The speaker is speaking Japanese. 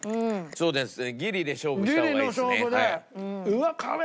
そうですね。